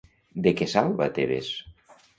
De què salva Tebes?